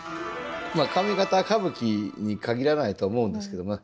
上方歌舞伎に限らないと思うんですけどね